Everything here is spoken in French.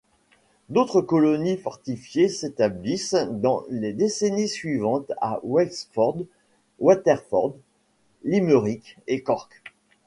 D’autres colonies fortifiées s’établissent dans les décennies suivantes à Wexford, Waterford, Limerick, et Cork.